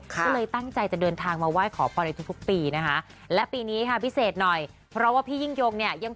ก็เลยตั้งใจจะเดินทางมาไหว้ขอพรในทุกปีนั้นก็พิเศษหน่อยเพราะว่าพี่ยิ่งยง